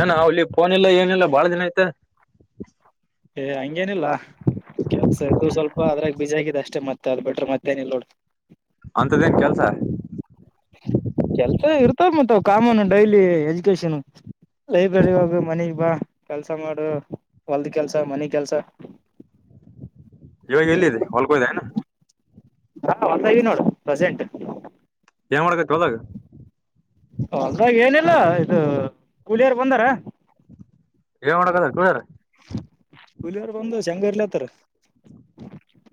ಏನ ಅವಲ್ಲಿ ೋನ್ ಎಲ್ಲ ಏನಿಲ್ಲ ಬಾಳ ದಿನ ಐತೆ ಏ ಹಂಗೇನಿಲ್ಲ ಕೆಲ್ಸ ಇದು ಸ್ವಲ್ಪ ಅದ್ರಾಗ ಬಿಜ ಆಗಿದೆ ಅಷ್ಟೆ ಮತ್ತೆ ಅದ್ ಬಿಟ್ರೆ ಮತ್ತೇನ ಇಲ್ ನೋಡ್ ಅಂತದೇನ್ ಕೆಲ್ಸ ಕೆಲ್ಸ ಇರ್ತಾವ ಮತ್ತ್ ಕಾಮನ್ ಡೈಲಿ ಎಜುಕೇಶನ್ ಲೈಬ್ರರಿ ಹೋಗ ಮನಗ್ ಬಾ ಕೆಲ್ಸ ಮಾಡು ಹೊಲ್ದ ಕೆಲ್ಸ ಮನಿ ಕೆಲ್ಸ [inaudible] ಇವಾಗ ಎಲ್ಲಿದೆ ಹೊಲ್ಗೋದೆಏ್ ಹಾ ಹೊತ ಇದ ನೋಡು ಪ್ರೆಸೆಂಟ್ ಏನ್ ಮಾಡ್ಕ ಹೋದಾಗ ಹೊಾಗ ಏನಿಲ್ಲ ಇದು ಕೂಲಿಯಾರ ಬಂದಾರ ಏ ಮಾಡಕದ ಕುೂಡುದಾರ ಹುಲಿಯವರು ಬಂದು ಶ ಹೆಂಗರ್ಲತ್ತಾರ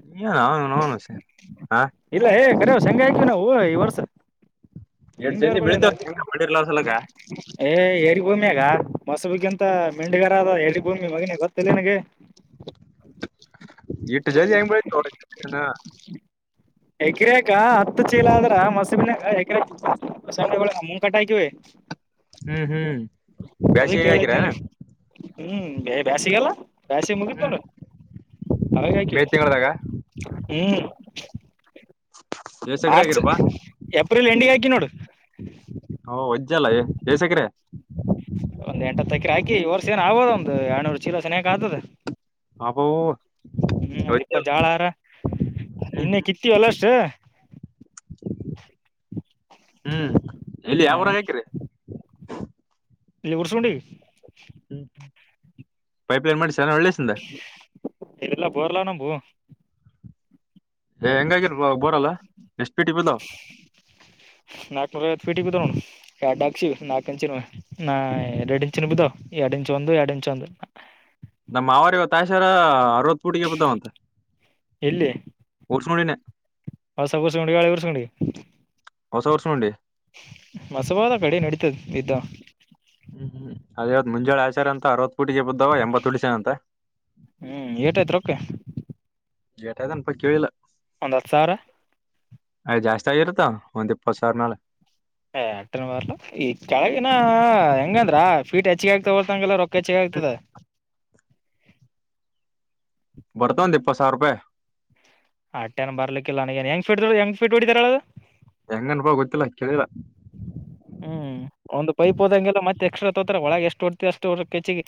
ನೀ ನನು ನೋನುಷ ಹಾ ಇಲ್ಲ ಏ ಕರವ್ ಶಂಗ ಆಯ್ವಿ ನಾವು ಈ ವರ್ಸ ಎಷ್ಟಡ್ ಜನಿ ಬೆಳಿತತ ಮಾಡಿರ್ಲಾರ್ರ ಸಲಕ ಏ ಏರಿ ಭೂಮಿ ಆಗ ಮೊಸಬಗ್ಗಿಂತ ಮೆಂಡಿಗಾರದ ಏರಿ ಭೂಮಿ ಮಗನ ಗೊತ್ತಿಲ್ಲ ನಿನಗೆ ಇಟ್ಟು ಜದ ಹೆಂಗ್ ಬೆಳತನಾ ಎಕರೆಕ ಹತ್ತು ಚೀಲ ಅಂದ್ರ ಮಸಬಿನ ಎಕರೆಂಡೆ ಮುಂಗ ಕಟ್ಟ ಹಾಕಿವವಿ ಹ್ಮ್ ಹ್ಮ್ ಅದ ಬ್ಯಾಸಿಗೆ ಹಾಕಿರ ಕೇಳಿದ್ದೆ ನನಗೆ ಹ್ಮ್ ಬೇ ಬ್ಯಾಸಿಿಗೆಲ್ಲ ಬ್ಯಾಸಿ ಹ್ಮ್ ಮುಗಿತೋೊಂಡ ಮೇ ತಿಂಗಳದಾಗ ಹ್ಮ್ ಎಷ್ಟ್ ಎಕರೆ ಮಾರ್ಚ್ ಆಗಿರಪ್ಪ ಏಪ್ರಿಲ್ ಎಂಡಿಂಗ್ ಆಯಕಿ ನೋಡು ಹ ವಜ್ಜಲ್ಲ ಜಯಸಗ್ರೆ ಒಂದ ಎಟತ್ತು ತಕಿ ಹಾಕಿ ವರ್ಷ ಏ ಆಗೋದ ಒಂದಂದು ಎರ್ನೂರು ಚೀಲೋ ಸೆಯಾಗಕ್ ಆದದ ಅಬ್ಬೋ ಹ್ಮ್ ಒಂದ್ ಇಪ್ಪ ಒಜ್ಜಲ್ಲ ಜಾಳಾರ ಹ್ಮ್ ನಿನ್ನೆ ಕಿತ್ತೀವ ಅಲ್ಲ ಅಷ್ಟ ಹ್ಮ್ ಇಲ್ಲಿ ಯಾವರಾಗ ಹಾಕಿ್ರ ಲವರ್ಸ್ ಉಿ ಹ್ಮ್ ಹ್ಮ್ ಪೈಪ್ಲೈನ್ ಮಾಡ್ಸಾನ ಒಳ್ಳೆಸ ಎದೆಲ್ಲ ಬರ್ಲ ನ ಪೂ ಏ ಹೆಂಗಾಗಿರ್ ಬರಲ್ಲಾ ಎಷ್ಟ್ ಪೀಟಿ ಬುದ ನಾಕನೂರ ರಾಯತ್ತುಫೀಟ ತ ನೋ ಎಡಾಕ್ಷಿ ನಕಚಿನ ನಾ ಎರಡು ಇಚು ನಿಬದೋ ಎರಡು ಇಂಚ ಒಂದು ಎರಡು ಇಂ ಒಂದು ನಮ್ಮ್ ಅವರಿವ ತಾಷರ ಅರವತ್ ಪೂಟಿಗೆ ಬದಾವ ಅಂತ ಎಲ್ಲಿ ಹೊಸ ಕುರ್ಸ್ಕೊಂಡು ಗಾಳೆ ಕರ್ಸ್ಕೊಂಡಿ ಹೊಸ ವರ್ಷನಡಿ ಮಸವಾದ ಕಡೆ ನಡೀತದ ಬಿದ್ದ ಹ್ಮ್ ಹ್ಮ್ ಅದೇವದ ಮುಂಜಳ ಆಚಾರ ಅರವತ್ತು ಪುಟಿಗೆ ಬದವ ಎಂಬತ್ ಹುಡ್ಸನ ಅಂತ ಹ್ಮ್ ಏಟಯ್ತ್ ರೊಕೆ ೇಟಾಯ್ನಪ ಕೇಳಿಲ್ಲ ಒಂದು ಸರ ಅಯ್ ಜಾಸ್ತಿ ಆಗಿರತ್ತ ಒಂದ್ ಇಪ್ಪತ್ತು ಸಾವಿರನಾಲ ಏ ಅಟನ ಬರ್ಲ ಈ ಕೆಳಗಿನ ಹೆಂಗಂದ್ರ ಫೀಟ್ ಹೆಚ್ಚಿಗೆ ಆಗಿ ತಗೊಳ್ತಂಗಗೆಲ್ಲ ರೊಕ್ ಕ ಚೆಾಗತಾ ಬರ್ತಾಂತ ಇಪ್ಪತ್ತು ಸಾವಿ ರೂಪಾಯಿ ಹಟ್ಟೆೇನ ಬರ್ಲಿಕ್ಕಿಲ್ಲ ನನ ನ್ ಹೆಂಗಫಡ್್ ಹೆಗೆ ೀಟ್ ಬಿಡಿದರ ಅದು ಹೆಂಗ ಅನಪ ಗೊತ್ತಿಲ್ಲ ಕೇಳಿಲ್ಲ ಹ್ಮ್ ಒಂದು್ ಪೈಪ್ ಹೋದಂಗೆಲ್ಲ ಮತ್ತೆ ಎಕ್ಸ್ಟ್ರಾ ತೋತಾರ ಒಳಗೆ ಎಷ್ಟು ಹೊಡ್ತಿ ಅಷ್ಟು ಕೆಚ್ಚಿಗೆ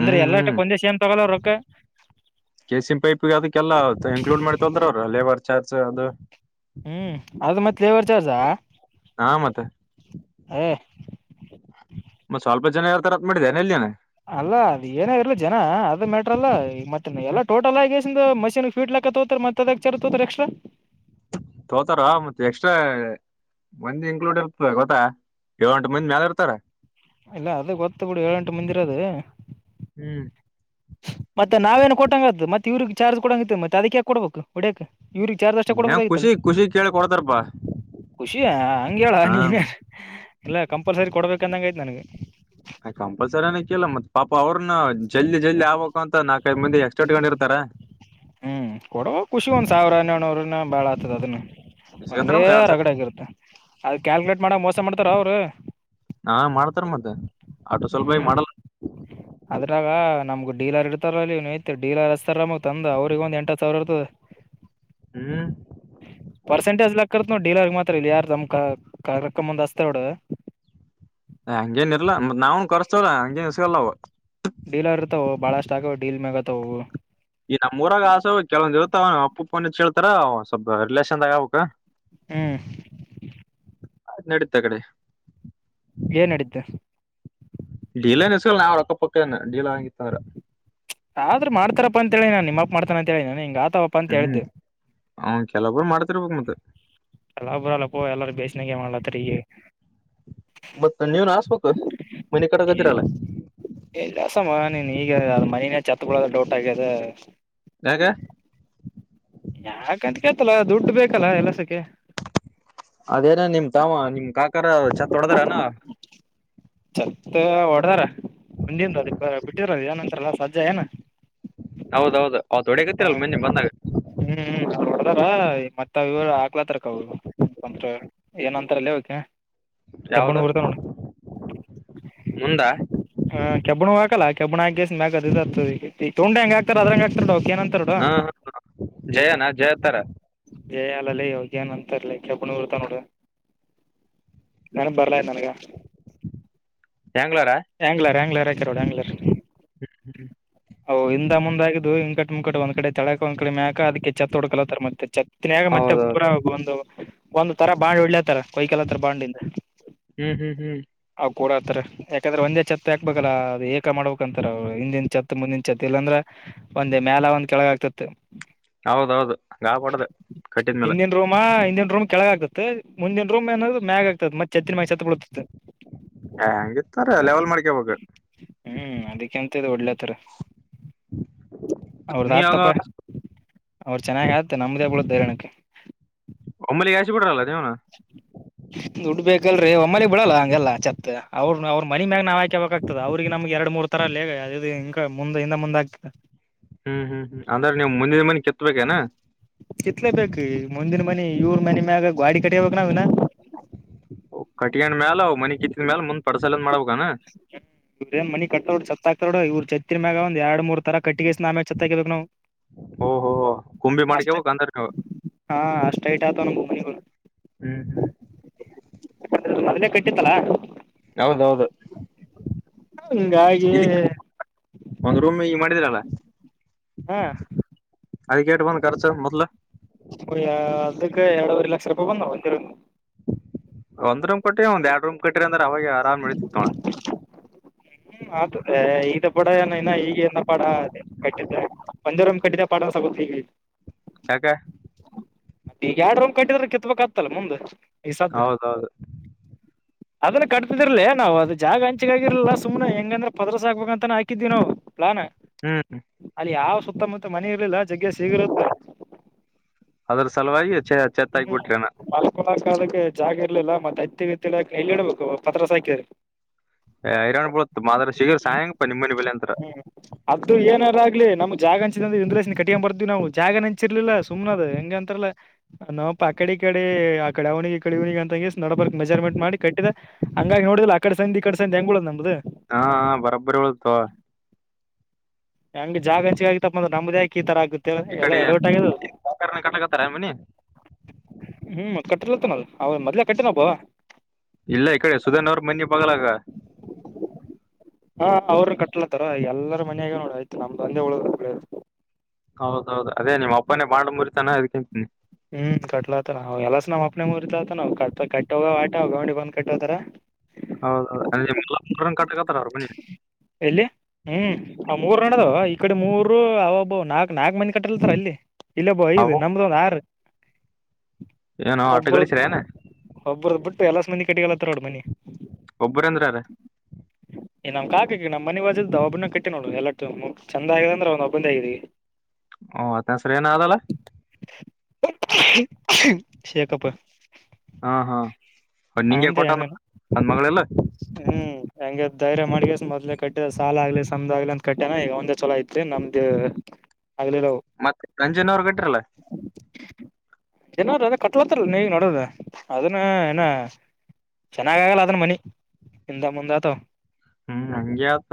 ಅಂದ್ರೆ ಎಲ್ಲಷ್ಟ ಹ್ಮ್ ಕೊಂದೆ ಸೇಮ್ ತಗೊಲ್ಲ ರೊಕ್ಕ ತೊಂದ್ರವ್ರ ಲೇಬರ್ ಚಾರ್ಜ್ ಅದು ಹ್ಮ್ ಅದು ಮತ್ತ್ ಲೇಬರ್ ಚಾರ್ಜಾ ಹಾ ಮತ್ತೆ ಹಾಂ ಮತ್ತತ್ ಸ್ವಲ್ಪ ಜನ ಯಾವತರತ್ ಮಾಡಿದ್ದಾನನೆ ಎಲ್ಲಿಯನನೆ ಅಲ್ಲ ಅದ ಏನ ಇರ್ಲ ಜನ ಅದ ಮ್ಯಾಟ್ರಲ್ಲ ಮತ್ತೆ ಎಲ್ಲ ಟೋಟಲ್ ಆಗ ಮಷೀನ್ ಫೀಟ್ಲಾಕ ತ ಹೋತರಿ ಮತ್ತೆ ದ ಚರ್ ರ ಎಕ್ಸ್್ರಾ ತೋತಾರ ಮತ್ತೆ ಎಕ್ಸ್ಟ್ರಾ ಮಂದಿ ಇನ್ಕ್ಲೂಡ್ ಇರ್ತದೆ ಗೊತ್ತಾ ಏಳ ಗಂಟು ಮಂದ್ ಮ್ಯಾಲ ಇರ್ತಾರ ಇಲ್ಲ ಅದು ಗೊತ್ತ ಬಿಡು ಏಳ್ೆಂಟು ಮುಂದಿರದು ಹ್ಮ್ ಮತ್ತೆ ನಾವೇಏನ್ ಕೊಟ್ಟಂಗರದ ಮತ್ತತ್ ಇವ್ರಿಗೆ ಚಾರ್ಜ್ ಕೊಡಂಗ ಇತಿ ಮತ್ತೆ ಅದಕ್ಕೆ ಹಾಕ್ ಕೊಡ್ಬೇಕು ಹೊಡಕ್ ಇವ್ರಿಗೆ ಚಾರ್ ದಷ್ಟ ಏನ್ ಕೊಡ್ಬೋದಾಗಿತ್ತಲ್ಲ ಖುಷಿ ಖುಷಿ ಕೇಳಿ ಕೊಡ್ತಾರಪಾ ಖುಷಿಯ ಹಂಗ ಹೇಳ ಹ್ಮ ನೀನ್ ಎಲ್ಲ ಕಂಪಲ್ಸರಿ ಕೊಡ್ಬೇಕಂದಂಗ ಆಯ್ತು ನನಗೆ ಕಂಪಲ್ಸರಿನ ಕೇಳಲ್ಲ ಮತ್ ಪಾಪ ಅವ್ರನು ಜಲ್ದಿ ಜಲ್ದಿ ಆಗ್ಬೇಕು ಅಂತ ನಾಲ್ಕೈದು ಮಂದಿ ಎಕ್ಸ್ಟ ಇಟ್ಕೊಂಡುಿರ್ತಾ ಹ್ಮ್ ಕೊಡ ಖುಷಿ ಒಂದ್ ಸಾವಿರನ್ನೋನೂರನ ಭಾಳ್ ಆತದ ಅದನ್ನ ಸಿಗತಾರ ಮೊದ್ಲೇ ಒಂದ್ ಎರಡ್ ಸಾವಿರ ರಗಡೆ ಆಗಿರುತ್ತೆ ಅದ ಕ್ಯಾಲ್ಕುಲೇಟ್ ಮಾಡಕ್ ಮೋಸ ಮಾಡ್ತಾರ ಅವ್ರು ಹಾ ಮಾಡ್ತಾರ ಮತ್ತೆ ಹ್ಮ್ ಅದ್ರಾಗ ನಮಗ ಡೀಲರ್ ಇತಾರ ಅ ಇವಯ್ತ್ ೀಲರ್ತಾರಮಗ ತಂದ್ ಅವ್ರಗಂದ ಎಂಟ ಸಾವರ ಇರ್ತದ [inaudible] ಹ್ಮ್ ಪರ್ಸೆಂಟಜ್ಾಕ್ಕತ್ ನೋ ಡೀಲರ್ಗ್ ಮಾತ್ರ ಇಲ್ಲ ಯಾರ ನಮ್ ಕಕ್ಕಂದ್ಸ್ತ ನೋಡ ಹಂಗೇನ್ ಇರ್ಲ್ಲತ್ ನಾವನ್ ಕರ್ಸ್ತವ್ರ ಹಂಗೇನ್ಸ್ಗಲ್ಲ ಅವ ಡೀಲರ್ತಾವವು ಬಾಳಷ್ಟ ಆಗೆ ಡೀಲ್ ಮೇಾಗತಾವವು ಈ ನಮ್ಮ್ೂಊಾಗ ಆಸ ಕೆಲವೊಂದ ಇರುತ್ತಾವ ಅವ ಅಪ್ಪಪ್ಪನ ಕೇಳ್ತಾರ ಸ್ವಲ್ಪ ರಿಲೇಷನ್ದಾಗಾವಬೇಕಕ್ ಹ್ಮ್. ಆಯ್ತ ನಡೀತಾ ಅಕಡಿ. ಏನ್ ನಡಿತ. ಡೀಲರ್ ಸಿಗಲ್ಲ್ಲ ನಾವ್ ರೊಕ್ಕ ಪಕ್ಕ ಏನು ಡೀಲ್ ಆಗದಿತ್ತಂದ್ರು. ಆದ್ರ ಮಾಡ್ತಾರಪ್ಪ ಅಂತ ಹೇಳಿ ನನ್ ನಿಮ್ಮಪ್ಪ ಮಾಡ್ತಾರ ಅಂತ ಹೇಳಿ ನನ್ ಹಿಂಗ ಆತಪ್ಪ. ಹ್ಮ್ ಅವ್ ಕೆಲವೊಬ್ಬರು ಮಾಡ್ತಿರ್ಬೇಕಕ್ ಮತ್ತ. ಕೆಲವೊಬ್ಬರು ಅಲ್ಲ ಪೋ ಎಲ್ಲಾರೂ ಬೇಸನ್ಯಾಗ ಮಾಡ್ಲತ್ತರ ಈಗ. ಮತ್ತ ನೀವನ್ ಹಾಸ್ಬೇಕು ಮನಿ ಕಟ್ಟಕೂತ್ತರಲ್ಲ. ಎಲ್ಲಿ ಆಸಮ್ಮ ನೀನ್ ಈಗ ಅ ಮನಿನೆ ಚತ್ತಬೂಳದ ಡೌಟ ಆಗ್ಯದ. ಯಾಕ. ಯಾಕಂತ ಕೇಳ್ತಲ್ಲ ದುಡ್ಡು ಬೇಕಲ್ಲ ಎಲಸಕ್ಕ. ಅದೇನ ನಿಮ್ ತಾಮ ನಿಮ್ ಕಾಕರ ಚತ್ ಹೊಡದಾರೆನಾ. [inaudible] ಚತ್ ಹೊಡದಾರ ಮುಂದಿಂದ ಅದ ಬಿಟ್ಟಿದ್ರಲ್ಲ ಏನಂತರಲ್ಲ ಸಜ್ಜಾ ಏನ. ಹೌದೌದು ಅತ ಹೊಡಡೆಗತ್ತಿರಲ್ಲ ಮೊನ್ನೆ ಬಂದಾಗ. ಹ್ಮ್ ಹ್ಮ ಅದ ಹೊಡದಾರ ಮತ್ತ ಇವ ಆಗ್ಕ್ಲತ್ತರಕ ತಂತ್ರ. ಏನ ಅಂತರಲ್ಲೇ ಅವಕ ಕೆಬ್ಬಣ್ಣವು ಇರ್ತ ನೋಡ. ಮುಂದಾ. ಹ ಕೆಬ್ಬಣ್ಣವು ಹಾಕಲ್ಲ ಕೆಬ್ಬಣ ಹಾಕಿ ಗೆಸಿಂದ ಮ್ಯಾಗ ಇದು ಅತ್ತದ ಈಗ ದೆೊಂಡ ಹೆಂಗ್. ಹತ ಅದ್ರಂಗ ಹಾಕ್ತಾರಲ್ಲ ಅದಕ್ಕ ಏನಂತರ್ ಹ ನೋಡ. ಜಯನಾ ಜಯತಾರ ಎ ಅಲ್ಲಲ್ಲೇ ಇವಗ ಏನ್ ಅಂತರ್ಲ ಕೆಬ್ಬಣವು ಇರ್ತವ ನೋಡ. ನೆನಪು ಬರಲಾಗ್ಯದ ನನಗ. ಹ್ಯಾಂಗ್ಲರಾ. ಹ್ಯಾಂಗ್ಲರ್ ಹ್ಯಾಂಗ್ಲರ್ ಹಾಕ್ಯಾರ ನೂಡ ಹ್ಯಾಂಗ್ಲರ್. ಅವು ಇಂದ ಮುಂದ ಆಗಿದ್ದವು ಇಂಕಟ್ ಮುಂಕಟ್ಟ ಒಂದ್ ಕಡೆ ತೆಳಕ ಒಂದ ಕಡೆ ಮ್ಯಾಕ ಅದಕ್ಕೆ. ಚತ್ತು ಹುಡ್ಕಲತ್ತಾರೆ ಮತ್ತೆ ಚತ್ತಿನಯಾಗ ಮತ್ತೆ ಹೌದೌದು ಪೂರ ಒಂದು. ಒಂದ್ ತರ ಬಾಂಡ್ ಹೊಡ್ಲೆ ತರ ಕೊಯ್ಕಲೆತರ ಬಾಂಡಿಂದ. ಹ್ಮ್ ಹ್ಮ್ ಹ್ಮ್. ಅವ್ ಕೂಡತಾರೆ ಯಾಕಂದ್ರೆ ಒಂದೇ ತ್ತು ಹಾಕ್ಬೇಕಲ್ಲ ಅದುಏಕ ಮಾಡಬೇಕ. ಹಂತಾರೆ ಅವರು ಹಿಂದಿನ ಚತ್ ಮುಂದಿನ ಚತ್ ಇಲ್ಲಾಂದ್ರೆ ಒಂದ್ ಮ್ಯಾಲ ಒಂದ ಕೆಳಗ ಆಗ್ತತದ. ತ್ತ [inaudible] ಹೌದೌದು ಹಂಗ ಆಬಾಡ್ದು ಕಟ್ಟಿದ ಮ್ಯಾಲ. ಹಿಂದಿನ ರೂಮ ಹಿಂದಿನ ರೂಮ್ ಕೆಳಗ ಆಗ್ತತ್ ಮುಂದಿನ ರೂಮ್ ಏನ ಮ್ಯಾಗ ಆಗತ್ತಿತ ಮತ್ತ ತೂತಿನ ಮ್ಯಾಗ ಚತ ಬೊಳುತ್ತಿತ್ತು. ಹೆ ಹಂಗಿತ್ತಾರ ಲೆವೆಲ್ ಮಾಡ್ಕಬೆಕ. ಹ್ಮ್ ಅದಕ್ಕೆಂತ್ದ ಒಡಳ್ಳೇತರ ಅವ್ರದ ನೀವಾಗ ಆತಪ್ಪ. ಅವ್ರು ಚೆನ್ನಾಗ ಆತ್ತೆ ನಮ್ದೇ ಬೂಳತದ ಹೈರಾಣಕ್ಕ. ಒಮ್ಮಲಿಗೆ ಹಾಶಿಬಿಡ್ರಲ್ಲ ನೀವುನು. [inaudible] ದುಡ್ ಬೇಕಲ್ರಿ ಒಮ್ಮಾಲಿಗೆ ಬಿಡಲ್ಲ ಹಂಗೆಲ್ಲಚತ್ತುತ್ ಅವ್ರರು ಅವ್ರ ಮ್ಯಾಗ ನಾವ್ ಹಾಕ ಬಕ್ಗ್ತದ ಅವ್ರಿಗೆ ನಮ್ಗೆ ಎರಡ್ ಮೂರ್. ಏನೋ ಅಂತರಲ್ಲೇ ಅದ ಇದ ಹಿಂಗ ಮುಂದ ಹಿಂದ ಮುಂದೆ ಆಗ್ತ. ಹ್ಮ್ ಹ್ಮ್ ಹ್ಮ್ ಅಂದ್ರೆ ನೀವು ಮುಂದಿನ ಮನಿ ಕೆತ್ಬೇಕೇನಾ. ಕಿತ್ಲೇ ಬೇಕು ಮುಂದಿನ ಮನಿ ಇವರ್ ಮನೆ ಮ್ಯಾಗ ಗಾಡಿ ಕಟ್ಟಿಯಬೇಕಕ್ ನಾವ ಇನಾ. ಕಟಿಗೆಂಡ ಮ್ಯಾಲ್ ಅವಗ ಮನಿ ಕಿತ್ತಿದ ಮ್ಯಾಲ ಮುಂದ್ ಪಡ್ಸಾಲಂದ ಮಾಡ್ಬೇಕನಾ. ಇವ್ರದ ಏನೂ ಮನಿ ಕಟ್ಟತಾರ ನೂಡ ಚತ ಹಾಕ್ತರ ನೋಡ ಇವರ ಚತಿನ ಮ್ಯಾಗ ಒಂದ ಎರಡ್ ಮೂರ್. ಥರ ಕಟ್ಟಿಗೆಸಿಂದ ಆಮೇಲೆ ಚತ್ ಆಕೆ ಬೇಕುನಾವು ಓಹೋ ಕುಂಬಿ ಅಷ್ಟೇ. ಮಾಡ್ಕೇಬೇಕ್ ಅಂದ್ರ ನೀವು ಹಾ ಅಷ್ಟ ೈಟ್ ಆಯತು ನಮ್ಮ ಭೂಮನಿಗಳು ಹ್ಮ್ ಹ್ಮ್ ಮದ್ೇ ಕಟ್ಟಿತ್ತಲಾ ಹೌದೌದು ಹಾಗಿೆ ಇದ ಒಂದ್ ರೂಮ್ ಈ ಮಾಡಿದೀರಲ್ಲ ಹಾ ಅರಿಕೇಟ್ ಬಂದ ಕಚ ಮತ್ಲ ಹ ಅದಕ್ಕೆ ಎರಡವರೆ ಲಕ್ಷ ರೂಪಾಯಿ ಬಂದಾವಂದಿ ಒಂದ್ ರೂಮ್ ಕಟ್ರ ಒಂದ್ ಎರಡು ರೂಮ್ ಕಟ್ಟ್ರರಿ ಅಂದ್ರೆ ಅವಾಗ ಆರಾಮ್ ಇಳತಿತ್ ನೋಳ ಅ ಈಗ ಪಡ ಏನ ಇನ ಈಗ ಏನ ಪಡ ಕಟ್ಟ ಬಂದರುಮ್ ಕಟ್ಟಿದ್ದ ಪಾುತ್ತ ಹೀಗೆ ಹಕ್ಕ ಈಗ ಎರಡು ರೂಮ್ ಕಟ್ಟಿದ್ರ ಕೆತ್ಬೇಕಕ್ ಆತ್ತಲ್ಲ ಮುಂದೆ ಈ ಸಧ್ಯ ಹೌದೌದು ಅದನ್ನ ಕಟ್ಟ್ಟಿದರ್ಲೇ ನಾವು ಅದು ಜಾಗ ಹಂಚೆಗಾಗಿರಲಲ್ಲ ಸು್ನೆ ಹೆಂಗಂದ್ರ ಪದ್ರಸಾಕ್ಬೇಕ ಅಂತನ ಹಾಕಿದ್ವಿ ನಾವು ಪ್ಲಾನ ಹ್ಮ್ ಅಲ್ಲಿ ಯಾವ ಸುತ್ತಮುತ್ತ ಮನೆ ಇರ್ಲಿಲ್ಲ ಜಗ್್ಗೆ ಸಿಗಲ ಸಲ್ವಾರಚ್ಚ ಹ್ಮ್ ಳ ಕಾಲಕ್ಕೆ ಜಾಗ ಇರ್ಲಿಲ್ಲ ಮತ್ತೆೈತ್ತಿ ವತಿ ಕೈಲಿ ಇಡ್ಬೇಕು ಪತ್ರ ಸಾಕಿದ್ರಿ ಹರಾಣ್ ಬಳತ್ ಮಾದ್ರ ಶಗರ್ ಸಾಯಂಕಪ್ಪ ನಿಮ್ಮ ಮನೆ ಬೆಲೆ ಅಂತತ್ರ ಅದದು ಏನಾರ ಆಗ್ಲಿ ನಮ್ ಜಾಗ ಹಂಚಿದ ಅ್ರ ಇಂದ್ರೇಶ್ನ ಕಿಯ ಬರ್ದ್ವಿ ನಾವು ಜಾಗನ್ ಹೆಂಚಿರ್ಲಿಲ್ಲ ಸುಮನದ್ ಹೆಂಗೆ ಅಂತಾರಲ್ಲ ನಪ ಆ ಕಡೆ ಈ ಕಡೆ ಆ ಕಡೆ ಅವನಿಗೆ ಕಡೆವನಿಗೆ ಅಂತಂಗ ನೋಡಬರ್ಕ್ ಮೆಜರ್ಮೆಂಟ್ ಮಾಡಿ ಕಟ್ಟಿದ ಹಂಗಾಗಿ ನೋಡಿದಿಲ್ಲ ಆ ಕಡೆ ಸಂದ ಈ ಕಡೆ ಸಂದ ಹ ಹೆಂಗೂಡದ ನಮ್ದು ಹಾ ಬರೊಬ್ಬರಿ ಹೇಳಳ್ತು ಹಂಗ ಜಾಗ ಹಂಚಗ ತಪ್ಪ ಅಂದ್ರ ನಮ್ದಾಕ ಈ ತರ ಆಗುತ್ತೆ ಎಲ್ಲ ಎಡವಟ್ಟ ಆಗದು ಕಟ್ಟಕತ್ತಾರ ಮನಿ ಹ್ಮ್ ಕಟ್ಟಿರ್ಲತ್ತ ನ ಅವ ಮೊದ್ಲ ಕಟ್ಟಿನಬ ಇಲ್ಲ ಇ ಕಡೆ ಸುಧನ್ ಅವ್ರ ಮನೆಿ ಬಗ್ಲಾಗ [inaudible] ಹಾ ಅವ್ರರು ಕಟ್ಲತಾರ ಎಲ್ಲರ ಮಯಾಗೆ ನೋಡ ಆಯ್ತು ನಮ್ದ ತಂದೆ ಹಳ ಹೌದೌದು ಅದೇ ನಿಮ್ಮ ಅಪ್ಪನೇ ಮಾಡ್ ಮುರಿತಾನ ಅದಕಂತೀನಿ ಹ್ಮ್ ಕಟ್ಲಾತ ನ ಎಲ್ಲ ನಮ್ಮ್ಪ್ನನೆ ಮುರ್ತ ನವು ಕ ಕಟ್ಟೋಗ ಆಟ ಗೌಂಡಿ ಬಂದ್ ಕಟ್ಟತಾರ ಹೌದೌದು ನಿ ಕಟ್ಕತಾರ ಮನ್ನಿ ಎಲ್ಲಿ ಹ್ಮ್ ಅವ ಮೂರ್ಣದ ಈ ಕಡೆ ಮೂರು ಅವ ಒಬ್ಬ ನಾಕ್ ನಾಕ್ ಮಂದಿ ಕಟ್ಟಿಲತರ ಅಲ್ಲಿ ಇಲ್ಲಬೋ ಐದು ಅವು ನಮ್ದು ಒಂದ ಆರು ಏನೋ ಆಟ ಒಬ್ಬ. ಗಳಿಸ್ರ ಏನ ಒಬ್ಬ್ರದ್ ಬಿಟ್ಟು ಎಲ್ಲಾ ಮಂದಿ ಕಟ್ಟಿಗೆಲ್ಲತ್ತ ನೋಡ್ ಮನಿ. ಒಬ್ಬ್ರಂದ್ರಾರ. ಇಏ ನ್ ಕಾ. ನಮ್ಮ ಮನೆಿ ವಾಜದ ಒಬ್ಬನ ಕಟ್ಟ ನೋಡು ಎ ಚಂದ ಆಗ ಅಂದ್ರೆ ಒಂದ ಒಬ್ಬಂದ ಆಗೀಿ. ಓ ಅತ್ತನ್ಸರಿ ಏನಾದಲ್ಲ. ಶೇ ಕಪ್ಪ. ಹಾ ಹಾ ನಿಂಗೆ ಅವಂದೇ ಕೊಟ್ಟಾನ ಹೆಂಗನ ನನ್ ಮಗಳೆಲ್ಲ. ಹ್ಮ್ ಹಂಗೆ ಧೈರ್ಯ ಮಾಡ್ಗಸ ಮೊದಲೆ ಕಟ್ಟಿದ ಸಾಲ ಆಗ್ಲಿ ಆಗ್ ಅಂತ ಕಟ್ಟ್ಯನ ಈಗ ಒಂದೆ ಚಲೋ ಐತಿ ನಮ್ದು ಅಗಲ್ಲಿಲವು ಮತ್ತೆ ರಂಜನ್ ಅವ್ರ ಕಟ್ರಲ್ಲ ಜನಾರ ಅದ ಕಟ್ಲತ್ತಲ್ಲ ನೀ ನೋಡದ ಅದನ್ನ ಏನ ಚೆನ್ನಾಗ ಆಗಲ್ಲ ಅದ್ರ ಮನಿ ಇಂದ ಮುಂದಾ ತ ಹ್ಮ್ ಹಂಗೆಆತ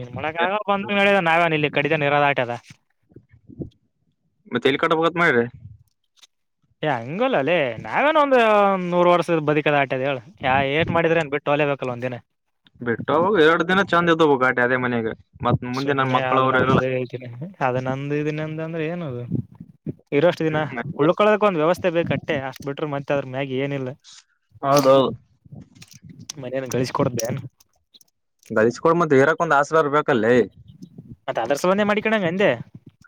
ಏನ್ ಮಾಡಕ್ ಆಗ ಹೇಳಿದ ನಾವೇನ್ ಇಲ್ಲಿ ಕಡಿತೆ ಇರೋದ ಆಟದ ಮತ್ತೆ ಎಲ್ಲಿ ಕಟ್ಬೇಕ್ ಅಂತ ಮಾಡಿದಿ ಏ ಹಂಗಲ್ಲ ಲೇ ಹೆ ನಾವೇನ್ ಒಂದ ನೂರು ವರ್ಷದ ಬದಕದ ಆಟದ ಹೇಳ ಯಾ ಏಟ್ ಮಾಡಿದ್ರ ಎನ್ ಬಿಟ್ಟು ತೊಳೆ ಬೇಕಲೊಂದಿನ ಬಿಟ್ಟು ಎರಡು ದಿನ ಚಂದ್ ಇದ್ದವು ಗಾಟಿ ಅದೇ ಮನೆಗೆ ಸುಮ್ನೆ ಆದ್ ನಂದು ಹೇಳ್ತೀನಿ ಅದ ನಂದು ಇದಿನಂದ ಅಂದ್ರೆ ಏನ್ ಅದು ಇರೋಷ್ಟು ದಿನ ಹ್ಮ್ ಉಳ್ಕೊಳದಕ್ ಒಂದ್ ವ್ಯವಸ್ಥೆ ಬೇಕ ಅಷ್ಟೇ ಅಷ್ಟು ಬಿಟ್ರ ಮತ್ತೆದ್ರ ಮ್ಯಾಗಿ ಏನಿಲ್ಲ ಹೌದೌದು ಮನೆಯನ್ ಗಳಿಸ ಕೊಡ್ದೆನ್ ಗಳಿಸಕೊ ಮತ್ತೆ ಇರಕ್ ಒಂದ ಆಸರೆರ್ ಬೇಕಲ್ಲೇ ಮತ್ತೆ ಅದರ ಸಲನ್ನೇ ಮಾಡಿಕಣವ ಎಂದೆ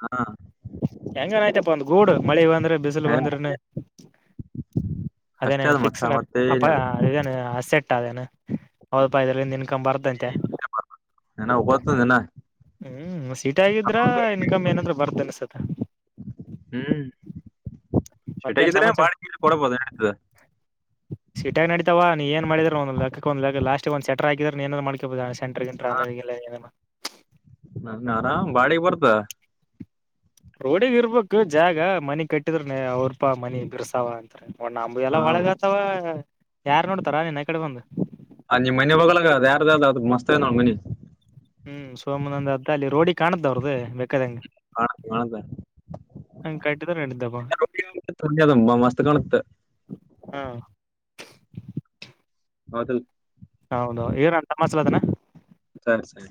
ಹಾ ಹೆಂಗನಾಯ್ತಪ್ಪಾ ಒಂದ ಗೂಡು ಮಳಿ ಬಂದ್ರೆ ಬಿಸ್ ಲು ಹೇ ಬಂದ್ರೇನೇ ಅದೆನ ಅಷ್ಟೇ ಅದ ಮತ್ತ ಫಿಕ್ಸು ಮತ್ತೆ ಅ ಏನಿಲ್ಲ ಅ ಅಸೆಟ್ ಅದೇನು ಅವದಪೈದರಿಂದ ಇನ್ಕಮ್ ಬರ್ತಂತೆ ಏನ ಹೋಗತ ದಿನ ಹ್ಮ್ ಸೀಟ್ ಆಗಿದ್ರ ಇನ್ಕಮ್ ಏನಂದ್ರ ಬರ್ತೇದೆ ಸ ಹ್ಮ್ ಮತ್ತೇನ್ ಸಟಾಗಿದ್ರೆ ಸಮಾಚಾರ ಬಾಳ ಕೊಡಬೋದು ನಡಿತದ ಸೀಟಾಗಿ ನಡಿತಾವ ನೀ ಏನ್ ಮಾಡಿದ್ರ ಒಂದು ಲಕ್ಕಕ್ ಒಂದು ಲಾಸ್ಟ್ ಒಂದ ಸೆಟರ್ ಆಗಿದ್ರ ಎನ್ದ್ರು ಮಾಡಕಬೋದು ಸೆಂಟ್ರು ಪ್ರಾಾ [unintelligible] ಣಿಕ ನನ್ ಆರಾಮ್ ಬಾಳಿಗ್ ಬರ್ತ ರೋಡಿಗೆ ಇರ್ಬೇಕು ಜಾಗ ಮನಿ ಕಟ್ಟಿದ್ರ ಅವ್ರಪಾ ಮನಿ ಬಿರ್ಸಾವಂತ ಒ ನಂಬು ಹ ಎಲ್ಲ ಒಳಗ ಅಥವಾ ಯಾರ್ ನೋಡ್ತಾರಾ ಈ ಕಡೆ ಬಂದು ಅ ನಿಮ ಮನೆ ಬಗ್ಳಾಗ ಅ ಯಾರು ಅ ಅದ ಮಸ್ತ ನೋಡ್ ಮನಿ ಹ್ಮ್ ಸೋಮನ ಒಂದ್ ಅದ ಅಲ್ಲಿ ರೋಡಿಗ್ ಕಾಣದ್ದವ ಅವ್ರ್ದು ಬೇಕಾದಂಗೆ ಕಾಣ್ತೆ ಕಟ್ಟಿದ್ರ ನಡಿದ್ದಪ್ಪ ಕಾಣುತ್ತ ತುಂಬಾ ಮಸ್ತ್ ಕಾಣುತ್ತೆ ಹಾ ಹೌದ ಹೌದ ಏರ ತ ಮಾಸಲ ಅನ [unintelligible] ಸರಿ ಸರಿ